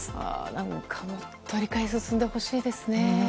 何か、もっと理解が進んでほしいですね。